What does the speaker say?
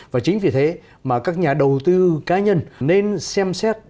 và chính vì thế mà các nhà đầu tư cá nhân nên xem xét